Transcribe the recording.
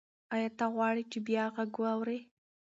ایا ته غواړې چې بیا غږ واورې؟